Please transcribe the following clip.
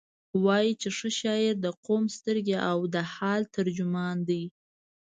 وایي چې ښه شاعر د قوم سترګې او د حال ترجمان دی.